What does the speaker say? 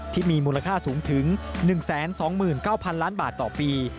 ที่มีมูลค่าสูงถึง๑๒๙๐๐ล้านบาทต่อปี